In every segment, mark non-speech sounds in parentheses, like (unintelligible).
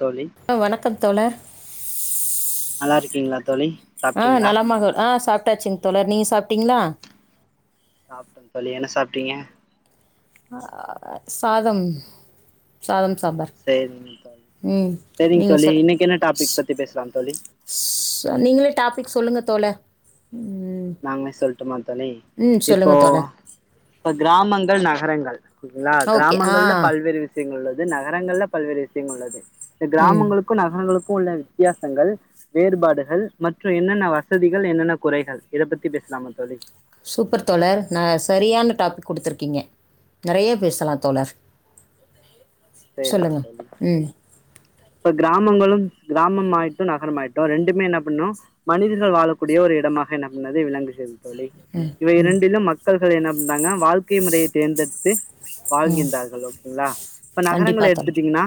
தோழி ஹாம் வணக்கம் தோழர் நல்லா இருக்கீங்களா தோழி ஆம் சாப்ட்டீங்களா நலமாக. ஆ சாப் சாப்டாச்சிங் தோழர் நீங்க சாப்பிட்டீங்களா சாப்ட்டன் தோழி என்ன சாப்பிட்டீங்க ஹா. சாதம் சாதம் சாம்பார் சரிங் தோ ழி ம் சரிங்க நீங்கள் தோழி இன்னைக்கு சொல்லுங்கள் என்ன டாபிக் பத்தி பேசலாம் தோழி நீங்களே டாபிக் சொல்லுங்கள் தோழர் நாங்களே சொல்லட்டுமா தோழி ம் இப்போ சொல்லுங்கள் தோழர் இப்ப கிராமங்கள் கிராமங்கள், நகரங்கள் ஓகேங்களா ஓகே ஆ கிராமங்கள்ல பல்வேறு விஷயங்கள் இருக்கு இது நகரங்கள்ல பல்வேறு விஷயங்கலுள்ளது இத ம் கிராமங்களுக்கும் நகரங்களுக்கும் உள்ள வித்தியாசங்கள், வேறுபாடுகள் மற்றும் என்னென்ன வசதிகள், என்னென்ன குறைகள். இத பத்தி பேசலாமா தோழி. சூப்பர் தோழர், நா சரியான டாபிக் குடுத்துருக்கீங்க. நிறய பேசலாம் தோழர் சரிங்க சொல்லுங்கள் சரிங்க ம் இப்ப கிராமங்களும் கிராமமாயிட்டும், நகரமாயிட்டும் ரெண்டுமே என்ன பண்ணும் மனிதர்கள் வாழக்கூடிய ஒரு இடமாக என்ன பண்ணது விளங்குகிறது தோழி இவை இரண்டிலும் மக்கள் என்ன (unintelligible) வாழ்க்கை முறையை தேர்ந்தெடுத்து ம் வாழ்கின்றார்கள் ஓகேங்களா இப்ப நகரங்களை கண்டிப்பாக தோழர் எடுத்துட்டீங்கன்னா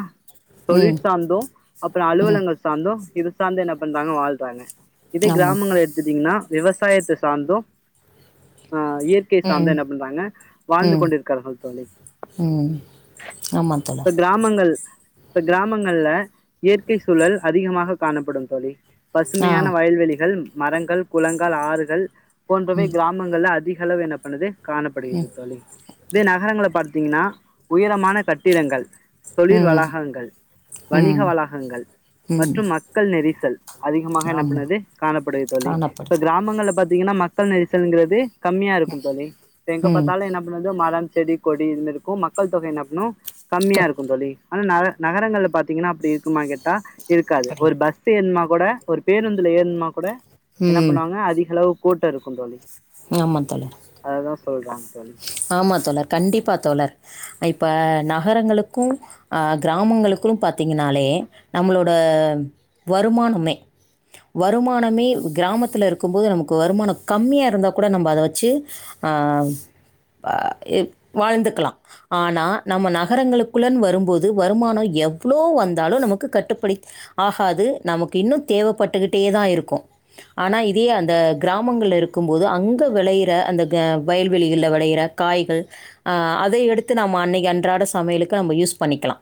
ம் தொழில் சார்ந்தோ அப்புறம் ம் அலுவலங்கள் சார்ந்தோ இப்போ இது சார்ந்து என்ன பண்றாங்க வாழ்றாங்க இதே ஆமாம் கிராமங்கள எடுத்துட்டீங்கன்னா விவசாயத்தை சார்ந்தே ஆ இயற்கை ம் சார்ந்தா என்ன பண்றாங்க வாழ்ந்து ம் கொண்டு இருக்கார்கள் தோழி ம் ஆமாம் இப்ப தோழர் கிராமங்கள் கிராமங்கள்ல இயற்கை சூழல் அதிகமாக காணப்படும் தோழி ஆ பசுமையான வயல்வெளிகள் மரங்கள் குளங்கள் ஆறுகள் போன்றவை கிராமங்கள்ல அதிக செலவு என்ன பண்ணது காணப்படுகிறது தோழி இதே நகரங்களை பார்த் நின்னா உயரமான கட் திரங்கள் தொழில் ம் வளாகங்கள் வணிக ம் வளாகங்கள் ம் மற்றும் மக்கள் நெரிசல் அதிகமாக என்ன ஆமாம் பண்ணது காணப்படுகிறது தோழி இப்ப காணப்படுது கிராமங்கள்ல பார்த் ஏன்னா மக்கள் நெரிசல்ங்கிறது கம்மியா இருக்கும் தோழி எங்க ம் பாத்தாலும் என்ன பண்ணது மலன் செடி கொடி இருந்துருக்கும் மக்கள் தொகை என்னப்பன்னும் கம்மியா க- இருக்கும் தோழி ஆனா நக நகரங்கள்ல பாத்தீங்கன்னா அப்படி இருக்குமா கேட்டா இருக்காது ஒரு பஸ் ஏறுனா கூட ஒரு பேருந்துல ஏறுன்மா கூட என்ன ம் பண்ணுவாங்க அதிக அளவு கூட்ட இருக்கும் தோழி அதான் சொல்றாங்க தோழி ஆமா தோழர் கண்டிப்பா தோழர் இப்ப நா நகரங்களுக்கும் கிராமங்களுக்கும் பாத்திங்கனாலே நம்மளோட வருமானமே வருமானமே கிராமத்தில இருக்கும் போது நமக்கு வருமானம் கம்மியா இருந்தா கூட நம்ம அத வச்சு ஆ ஆவ் வாழ்ந்துக்கலாம் ஆனா நம்ம நகரங்களுக்குள்ளேனு வரும்போது வருமானம் எவ்ளோ வந்தாலும் நமக்கு கட்டுப்படி ஆகாது நமக்கு இன்னும் தேவைப்பட்டுகிட்டே தான் இருக்கும் ஆனா இதே அந்த கிராமங்கள்ல இருக்கும்போது அங்க விளையற அந்த வயல் வெளியில விலையிற காய்கள் ஆ அதை எடுத்து நம்ம அன்னைக்கு அன்றாட சமையலுக்கு நம்ம யூஸ் பண்ணிக்கலா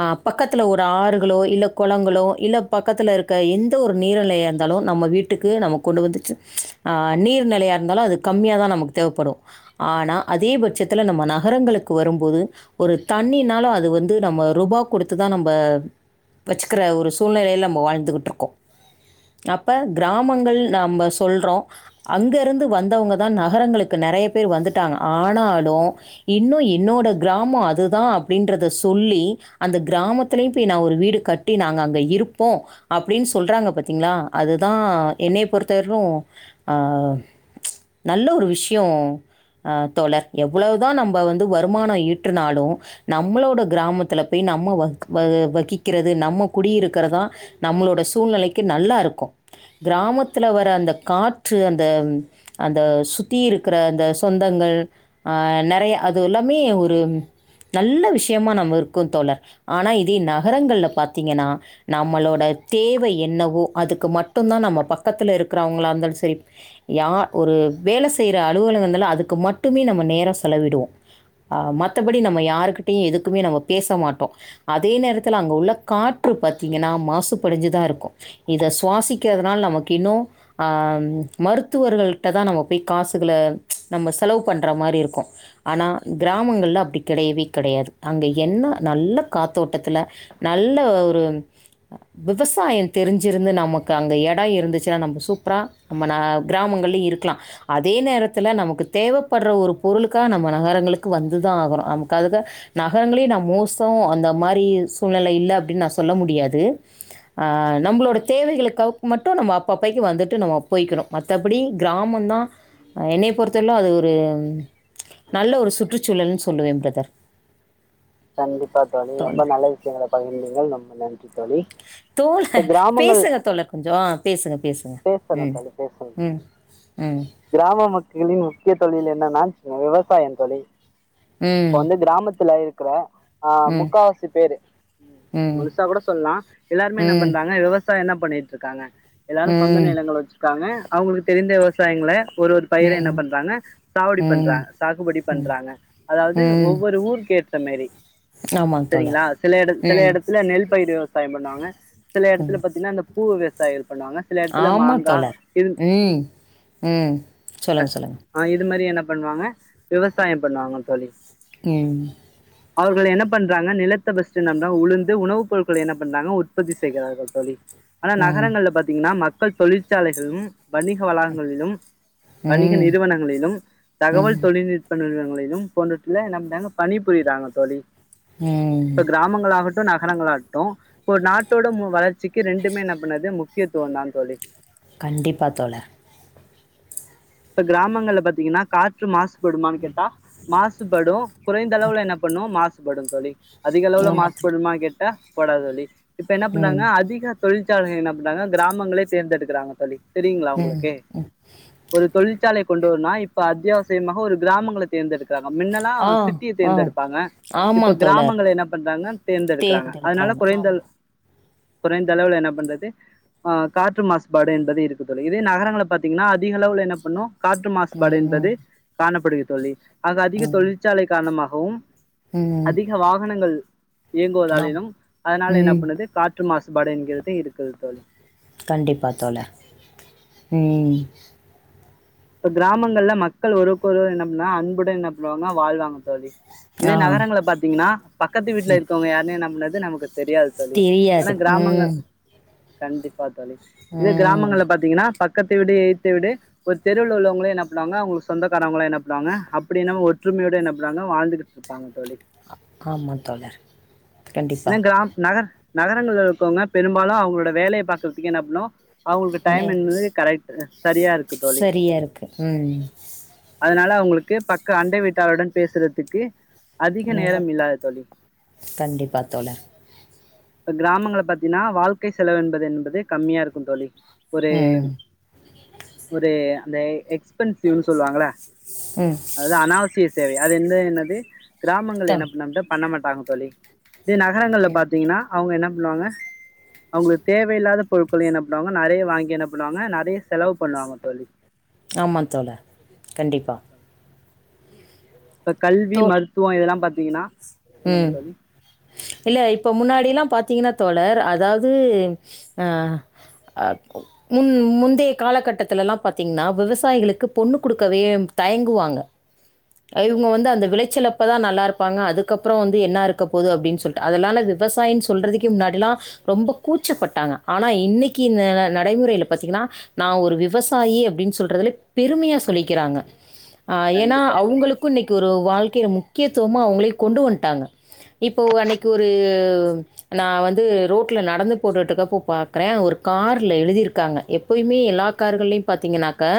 ஆ பக்கத்தில ஒரு ஆறுகளோ இல்ல குளங்களோ இல்ல பக்கத்தில இருக்க எந்த ஒரு நீர் நிலையா இருந்தாலும் நம்ம வீட்டுக்கு நம்ம கொண்டு வந்துச்சு ஆ நீர் நிலையா இருந்தாலும் அது கம்மியாக தான் நமக்கு தேவப்படும் ஆனா அதே பட்சத்துல நம்ம நகரங்களுக்கு வரும்போது ஒரு தண்ணினாலும் அது வந்து நம்ம ரூபா கொடுத்துதான் நம்ம வச்சுக்கிற ஒரு சூழ்நிலையில நம்ம வாழ்ந்துகிட்டு இருக்கோ அப்ப கிராமங்கள் நம்ம சொல்றோ அங்க இருந்து வந்தவங்கதான் நகரங்களுக்கு நெறைய பேர் வந்துட்டாங்க ஆனாலும் இன்னும் என்னோட கிராமம் அதுதான் அப்படின்றத சொல்லி அந்த கிராமத்திலேயும் போய் நான் ஒரு வீடு கட்டி நாங்க அங்க இருப்போம் அப்படின்னு சொல்றாங்க பாத்தீங்களா அதுதான் என்னைய பொறுத்தவரையிலு ஆ நல்ல ஒரு விஷயம் ஆ தோழர் எவ்ளோதான் நம்ம வந்து வருமான ஈட்டுனாலும் நம்மளோட கிராமத்துல போய் நம்ம வ வ வகிக்கிறது நம்ம குடியிருக்கிறதான் நம்மளோட சூழ்நிலைக்கு நல்லா இருக்கும் கிராமத்துல வர அந்த காற்று அந்த அந்த சுத்தி இருக்கிற அந்த சொந்தங்கள் ஆ நெறைய அது எல்லாமே ஒரு நல்ல விஷயமா நம்ம இருக்கு தோழர் ஆனா இதே நகரங்கள்ல பாத்தீங்கன்னா நம்மளோட தேவை என்னவோ அதுக்கு மட்டு்தான் நம்ம பக்கத்துல இருக்கிறவங்களா இருந்தாலும் செரி யா ஒரு வேலை செய்ற அலுவலங்கள் ஆ அதுக்கு மட்டுமே நம்ம நேரம் செலவிடுவோம் ஆ மத்தபடி நம்ம யாருகிட்டையும் எதுக்குமே நம்ம பேச மாட்டோம் அதே நேரத்துல அங்க உள்ள காற்று பாத்தீங்கன்னா மாசுபடிஞ்சுதான் இருக்கும் இத சுவாசிக்கிறதுனால நமக்கு இன்னும் ஆ மருத்துவர்களிட்ட தான் நம்ம போய் காசுகள நம்ம செலவு பண்ற மாறி இருக்கும் ஆனா கிராமங்கள்ல அப்படி கிடையவே கிடையாது அங்கே என்ன நல்ல காத்தோட்டத்தில நல்ல ஒரு விவசாயம் தெரிஞ்சிருந்து நமக்கு அங்கே இடம் இருந்துச்சுனா நம்ம சூப்பரா நம்ம ந கிராமங்கள்லையும் இருக்கலா அதே நேரத்தில் நமக்கு தேவப்படுற ஒரு பொருளுக்கா நம்ம நகரங்களுக்கு வந்துதான் ஆகரோ அமுக்ககா நகரங்களை நான் மோசம் அந்த மாறி சூழ்நிலை இல்ல அப்படின்னு நான் சொல்ல முடியாது ஆ நம்மளோட தேவைகளுக்காக மட்டும் நம்ம அப்ப அப்பைக்கு வந்துட்டு நம்ம போய்கிறோ மத்த படி கிராமம்தான் என்னைய பொறுத் தல்ல அது ஒரு நல்ல ஒரு சுற்றுசூழல்ன்னு சொல்லுவேன் பிரதர். கண்டிப்பா தோழி, ரொம்ப தோழர் நல்ல விஷயங்களை பகிர்ந்தீங்கள் நம் ரொம்ப நன்றி தோழி.. ! தோழர் பேசுங்க தோழர் கொஞ்சோ பேசுங்க பேசுங்க பேசணும் உம் தோழி பேசணும் உம் உம் என்னன்னஞ் விவசாயம் தொழில் இப்ப ம் வந்து கிராமத்துல இருக் கிரா ஆ ம் ம் முக்கவாசி பேரு ம் முழுசா கூட சொல்லலா எல்லாருமே என்ன பண்றாங்க விவசாய இப்ப என்ன பண்ணிட்டு இருக்காங்க எல்லாரு சொந்த ம் நிலங்கள், வச்சிருக்காங்க. அவுங்களுக்கு தெரிந்த விவசாயங்கள ஒரு ஒரு பயிரையு என்ன ம் பண்றாங்க, சாவடி ம் பண்றாங்க சாகுபடி பண்றாங்க அதாவது ம் ஒவ்வொரு ஊருக்கேற் அந்தமாரி ஆமாம் தோழர் சரிங்களா, சில இடத் சில ம் இடத்துல நெல்பயிர் விவசாயோ அதே மாரி நாங்க சில எடத்துல பாத்தீங்கன்னா, இந்த பூவு (unintelligible) ஆமா தோழர் ம் ம் சொல்லுங்க, சொல்லுங்க. ஆ இது மாரி என்ன பண்ணுவாங்க விவசாயோ பண்ணுவாங்க தோழி. (unintelligible) அவர்கள் என்ன பண்றாங்க நிலத்த ஃபர்ஸ்டு நல்லா உலுந்து, உணவு பொருட்கள் என்ன பண்றாங்க உற்பத்தி செய்கிறார்கள் தோழி. ஆனா ம் நகரங்கள்ல பாத்திங்கனா மக் மக்கள் தொழிற்சாலைகலும், வணிக வளாகங்களிலும் வணிக ம் நிறுவனங்களிலும் ம் தகவல் தொழில்நுட்ப நிறுவன (unintelligible) போன்றதுல நம்-நம்ம பணிப் புரியிதாங்க தோழி. ம் நகரங்கள் ஆகட்டும் இப்ப ஒரு நாட்டோட மூ வளர்ச்சிக் க்கி ரெண்டுமே என்ன பண்ணது முக் முக்கியத்துவந்தா தோழி. கண்டிப்பா தோழர். இப்ப கிராமங்கள்ல பாத்தீங்கன்னா, காற்று மாசு கூடுமானு கேட்டா மாசுபடும் குறைந்த பாரு. அளவுல என்ன பண்ணு மாசுபடும் தோழி. அதிக அளவுல ஆமா மாசுபடுமான்னு கேட்டா போடாது தோழி. இப்ப என்ன ம் பண்றாங்க அதிகார தொழிற்சாலைங்க என்ன பண்றாங்க கிராமங்களே தேர்ந்தெடுக்கிறாங்க தோழி. தெரியுங்களா ம் உங்களுக்கு ம் ஒரு தொழிற்சாலை கொண்டு வரோனா இப்ப அத்தியாவசியமாக ஒரு கிராமங்கள தேர்ந்தெடுக் முன்னெல்லா ஆ சிட்டிய ஆ தேர்ந்தெடுப்பாங்க ஆமா இப்ப தோழர் கிராமங்கள என்ன பண்றாங்க தேர்ந்தெடுக்குறாங்க அதனால தேர்ந்தெடுக்கறாங்க குறைந்த ஆமா குறைந்தளவுல என்ன பண்றது ஆ காற்று மாசுபாடு என்பது இருக்குது தோழி இதே நகரங்கள பாத்தீங்கன்னா அது அதிக அளவுல என்ன பண்ணு காற்று மாசுபாடு ம் என்பது காணப்படுகிது. தோழி. ஆக அதிக ம் தொழிற்சாலை காரணமாக வும் ம் அதிக வாகனங்கள் ஆம் இயங்குவதாலிலும் அதனால என்ன ம் பண்ணுது காற்று காற்று மாசுபாடு என்கிறதே இருக்குது தோழி கண்டிப்பா தோழர் உம் இப்ப கிராமங்கள்ல மக்கள் ஒருக்கொருவர் என்ன பண்ணா அன்புடன் என்ன பண்ணுவாங்க வாழ்வாங்க தோழி இதே ஆ நகரங்கள பாத்தீங்கன்னா பக்கத்து வீட்டுல இருக்கவங்க யாரு என்ன பண்றது நமக்கு தெரியாது தோழி ஆனா தெரியாது கிராமங்கள் ம் கண்டிப்பா தோழி இது ம் கிராமங்கள்ள பாத்தீங்கன்னா பக்க பக்கத்து வீடு எதித்த வீடு தெருவில உள்ளவங்களும் என்ன பண்ணுவாங்க அவங்க சொந்தாரங்களாம் என்ன பண்ணுவாங்க அப்படி என்னம்மா ஒற்றுமையோடு என்ன பண்ணுவாங்க வாழ்ந்துகிட்டு இருப்பாங்க தோழி ஆமா தோழர் கண்டிப்பா என்ன கிராமம் நகர் நகரங்கள்ல இருக்கவங்க பெரும்பாலும் அவங்களோட வேலையை பாக்கறதுக்கு என்ன பண்ணுவோம் அவங்களுக்கு நே டைம் என்பது கரெக்ட் சரியா இருக்கு தோழி சரியா இருக்கு உம் அதனால அவங்களுக்கு பக்க அண்டை வீட்டாளருடன் பேசுறதுக்கு அதிக நேரம் இல்லாத தோழி கண்டிப்பா தோழர் கிராமங்கள பாத்தீங்கன்னா வாழ்க்கை செலவு என்பது என்பது கம்மியா இருக்கும் தோழி ஒரு ம் ஒரு தெய் ஹிட்ஸ் எக்பென்சிவ்னு சொல்வாங்கள ம் அதுதா அனாவசிய தேவை அது என்ன என்னது கிராமங்கள்ள என்ன கம் பண்ணோன்டா பண்ணமாட் பாம்பொலி இதே நகரங்கள்ல பாத்தீங்கனா அவங்க என்ன புவாங்க அவங்குளுக்கு தேவயில்லாத பொருட்கள என்ன பண்ணுவாங்க நெறைய வாங்கி என்ன பண்ணுவாங்க நெறைய செலவு பண்ணுவாங்க தொழில் ஆமா தோலா கண்டிப்பா இப்ப கல்வி மருத்துவொ இதெலா பா திங்கனா உம் இல்ல இப்ப முன்னாடிலாம் பாத் த்தீங்கனா தோலர் அதாவ்து ஆ அ முந் முந்திய காலகட்டத்திலலாம் பாத்திங்கனா விவசாயிகளுக்கு பொண்ணு குடுக்கவே தயங்குவாங்க அ இவங்க வந்து அந்த விளைச்சலப்பதா நல்லா இருப்பாங்க அது அதுக்கப்றம் வந்து என்னாருக்க போது அப்டினு சொல்ட்டு அதெலான விவசாயினு சொல்றதுக்கே முன்னாடிலாம் ரொம்ப கூச்சப்பட்டாங்க ஆனா இன்னிக்கு இந்த அ நடைமுறையில பாத்தீங்கன்னா நா ஒரு விவசாயி அப்டினு சொல்றதுலப் பெருமையா சொல்லிக்கிறாங்க ஆ ஏனா கண்டிப்பா தோழி அவங்களுக்கு இன்னிக்கு ஒரு வாழ் கே முக்கியத்துவமா அவுங்களே கொண்டு வன்ட்டாங்க இப்போ அன்னிக்கு ஒரு நா வந்து ரோட்டுல நடந்து போட்டுட்டுருக்கப்போ பாக்குறே ஒரு காருல எழுதியிருக்காங்க எப்பயுமே எல்லா கார்கள்லயும் பாத்தீங்கன்னாக்கா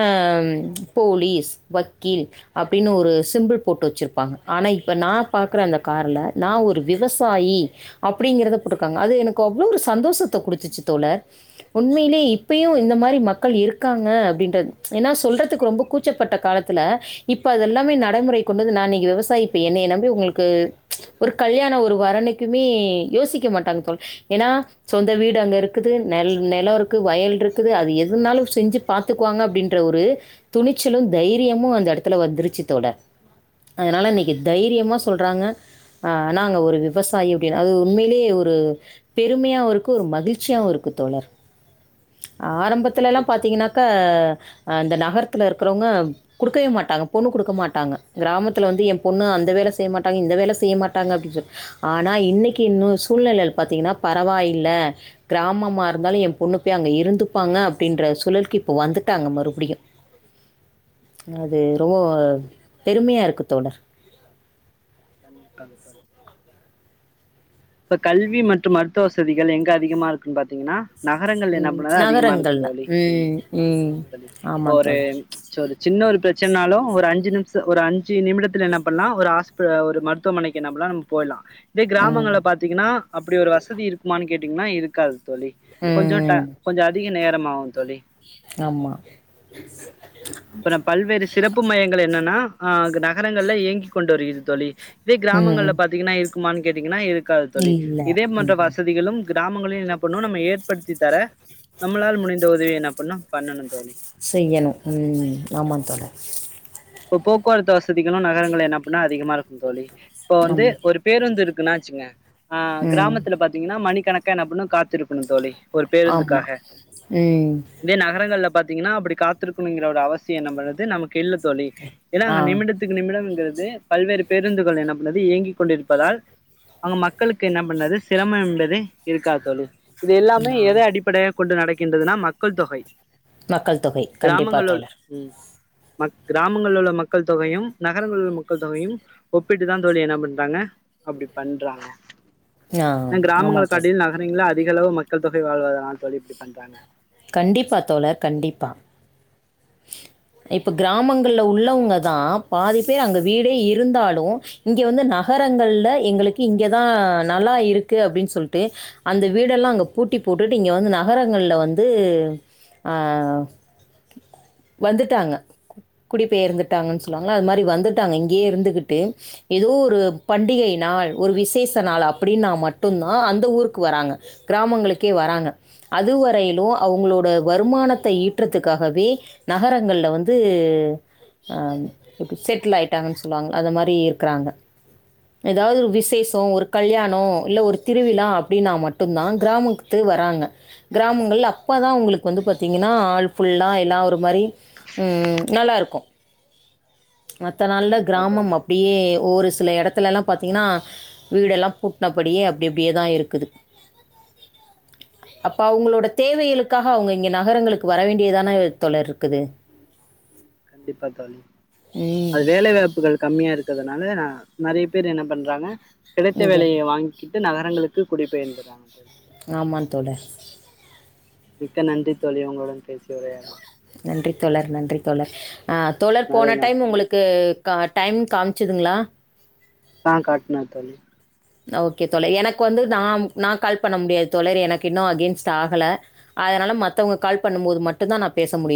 ம் போலீஸ் வக்கீல் அப்டினு ஒரு சிம்புள் போட்டு வச்சிருப்பாங்க ஆனா இப் இப்ப நா பாக்கற அந்த காருல நான் ஒரு விவசாயி அப்டிங்கறத போட்டுருக்காங்க அது எனக்கு அவ்ளோ ஒரு சந்தோஷத்த கொடுத்துச்சி தோலர் உண்மையிலே இப்பயு இந்த மாதிரி மக்கள் இருக்காங்க அப்டின்றது ஏனா சொல்றதுக்கு ரொம்ப கூச்சப்பட்ட காலத்துல இப்ப அதெல்லாமே நடைமுறை கொண்டுந்து நா இனிக்கு விவசாயி இப்ப என்னிய நம்பி உங்குளுக்கு ஒரு கல்யாணோ ஒரு வரனுக்குமே யோசிக்க மாட்டாங்க தோல ஏனா சொந்த வீடு அங்க இருக்குது நெலம் இருக்கு வயல் இருக்குது அது எதுனாலு செஞ்சி பாத்துக்குவாங்க அப்டின்ற ஒரு துணிச்சலும் தைரியமும் அந்த எடத்துல வந்துருச்சி தோலர் அதனாலன்னை தைரியமா கண்டிப்பா சொல்றாங்க ஆ நாங்க ஒரு விவசாயி அப்படினு அது உண்மையிலியே ஒரு பெருமையாவு இருக்கு ஒரு மகிழ்ச்சியாவு இருக்கு தோலர் ஆரம்பத்துலலாம் மகிழ்ச்சி தோழி பாத்தீங்கன்னாக்கா இந்த நகரத்துல இருக்குறவங்க குடுக்கவே மாட்டாங்க பொண்ணு குடுக்க மாட்டாங்க கிராமத்தில வந்து எம்ப் பொண்ணு அந்த வேல செய்ய மாட்டாங்க இந்த வேல செய்ய மாட்டாங்க அப்டின்றது ஆனா இன்னிக்கு என்னு சூழ்நிலையில பாத்தீங்கனா பரவாயில்ல கிராமமா இருந்தாலு எ பொண்ணு பேய் அங்க இருந்துப்பாங்க அப்டின்ற சுலல்க்கு இப்போ வந்துட்டாங்க மறுபடியு அது ரொம்போ பெருமையா இருக்கு தோலர் (unintelligible) இப்ப கல்வி மற்றும் மருத்துவ வசதிகள் எங்க அதிகமா இருக்குனு பாத்தீங்கனா நகரங்கள் ம். என்னம்புல அதிகமா இருக்கு நகரங்கள்ல. தோலி ம், ம். ஆமா இப்பொ ஒரு தோழர். ப்ச் ஒரு சின்ன ஒரு பிரச்ச சன்னாலும் ஒரு அஞ்சு நிமிஷொ ஒரு அஞ்சு நிமிடத்துல என்ன பண்ணலா ஒரு ஹாஸ்ப் ஆ ஒரு மருத்துவமனைக்கு என்ன பண்ணலாம் நம்ம போவலாம் இதே ம். கிராமங்கள ஆ அப்டி ஒரு வசதி இருக்குமானு கேட்டீங்கனா இருக்காது தோலி கொஞ்சட ம். கொஞ்சோ அதிக நேரமாகு தோலி ஆமா. அப்றம் பல்வேறு சிறப்பு மையங்கள் என்னன்னா ஆ நகரங்கள்ல இயங்கி கொண்டு வருகிது தோலி இதே கிராமங்கள்ல ம். பாத்தீங்கன்னா இ குமானு கேட்டீங்கன்னா இருக் காது தோழி. இல்ல. இதே மோன்ற ம். வசதிகளும் கிராமங்களி என்ன பண்ணும் நம்ம ஏற்படுத்தி தர நம்மளால் முடிந்த உதவி என்ன பண்ணும் பண்ணனும் தோழி. செய்யணும் உம் ஆமந் தோழா இப்போ போக்குவரத்து வசதிகளு நகரங்கள் என்ன பின்னா அதிகமா இருக்கும் தோழி. இப்போ வந்து ஆமா ஒரு பேருந்து இருக் இருக்குனாச்சுங்க ஆ ம் கிராமத்துல பாத்தீங்ன்னா மணிக் கணக்க நபுனு காத்திருப் க்குனு தோழி ஒரு ஆமா பேருந்துக்காக ம் இதே நகரங்கள்ல பாத்தீங்கன்னா அப்டி காத்துருக்ணுங்கிற ஒரு அவசியம்நம்றது நமக்கு இல்ல தோ ஏனா ஆ அங்க நிமிடத்துக்கு நிமிடம்ங்கிற து பல்வேறு பேருந்துகள் என்ன பண்ணுது இயங்கிக் கொண்டிருப்பதால் அங்க மக்களுக்கு என்ன பண்னது சிரமம் என்பதே இருக்கா தோழி இது எல்லாமே ஆ எத அடிப்படைய கொண்டு நடக்கின்றதுனா மக்கள் தொகை மக்கள் தொகை கண்டிப்பா தோழர் ம கிராமங்கள்லுள்ள மக்கள் தொகையும் நகரங்களலு மக்கள் தொகையும் ஒப்பிட்டு தான் தோழி என்ன பண்றாங்க அப்டி பண்றாங்க ஆ ன்ன ஆமா கிராமங்கள் தோழர் காட்டிள் நகரங்கள அதிகளவு மக்கள் தொகை வாழ்வாதனால் தோழி இப்டி பண்றாங்க கண்டிப்பா தோழா கண்டிப்பா இப்ப கிராமங்கள்ல உள்ளவுங்கதா பாதி பேர் அங்க வீடே இருந்தாலு இங்கே வந்து நகரங்கள்ல எங்களுக்கு இங்கதா நல்லா இருக்கு அப்டின் சொல்டு அந்த வீடெல்லா அங்க பூட்டி போட்டுட்டு இங்க வந்து நகரங்கள்ல வந்தூ ஆஹ் வந்துட்டாங்க குடிப்பெயர்ந்துட்டாங்கன் சொல்லுவாங்கள அது மாதிரி வந்துட்டாங்க இங்கேயே இருந்துகுட்டு ஏதோ ஒரு பண்டிகை நாள் ஒரு விசேஷ நாள் அப்டின்னா மட்டுந்தா அந்த ஊருக்கு வராங்க கிராமங்களுக்கே வராங்க அதுவரையிலு அவுங்களோட வருமானத்த ஈற்றத்துக்காகவே நகரங்கள்ல வந்தூ ஆ செட்டில் ஆயிட்டாங்கன் சொல்லுவாங் அத மாரி இருக்குறாங்க ஏதாவது விஸ்க் தேசோ ஒரு கல்யாணோ இல்ல ஒரு திருவிழா அப்டின்னா மட்டுந்தா கிராமக்த்து வராங்க. கிராமங்கள் அப்ப தா உங்ளுக்கு வந்து பாத்தீங்கன்னா ஆள் ஃபுல்லா எல்லா ஒரு மாரி உம் நல்லா இருக்கு மத்த நாள்ல கண்டிப்பா கிராமம் தோழி அப்டியே ஒரு சில இடத்துலலா பாத்தீங்கன்னா வீடெல்லா பூட்னபடியே அப்டி அப்டியேதா இருக்குது. ஆமா தோழி, அப்ப அவங்களோட தேவைகளுக்காக அவங்க இங்க நகரங்களுக்கு வர வேண்டியதானே தோழர் ருக்குது. கண்டிப்பா தோழி. அது வேலை வாய்ப்புகள் கம்மியா இருக்கிறதுனால நா நெறைய பேர் என்ன பண்றாங்க கிடைத்த இங்க. வேலையை வாங்க்கிட்டு நகரங்களுக்கு குடிப்பெயர்ந்தர் தன் தோழி ஆமான் தோழர். மிக்க நன்றி தோழி உங்களுடன் பேச நன்றி தோழர் நன்றி தோழர் ஆ தோழர் நெறைய போன டைம் உங்களுக்கு கா டைம் காமிச்சிதுங்ளா ஆ காட்னா தோழி ஓகே தோழர் எனக்கு வந்து நான் நான் கால் பண்ண முடியாது தோழர் எனக்கு இன்னும் அகெயின்ஸ்ட் ஆகலை அதனால மற்றவங்க கால் பண்ணும்போது மட்டும்தான் நான் பேச முடியும்